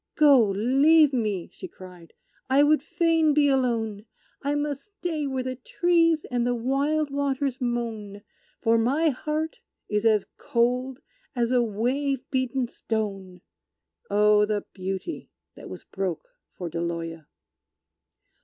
"Go leave me!" she cried. "I would fain be alone; I must stay where the trees and the wild waters moan; For my heart is as cold as a wave beaten stone." Oh, the Beauty that was broke for Deloya!